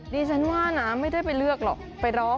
ดิฉันว่านะไม่ได้ไปเลือกหรอกไปร้อง